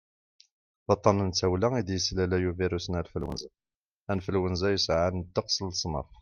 d aṭṭan n tawla i d-yeslalay ubirus n anflwanza influenza yesɛan ddeqs n leṣnaf